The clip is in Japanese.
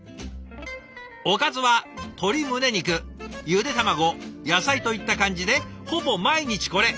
おかずは鶏むね肉ゆで卵野菜といった感じでほぼ毎日これ。